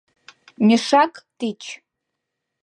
Мешак тич.